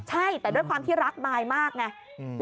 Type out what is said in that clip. ใช่แต่ด้วยความที่รักมายมากไง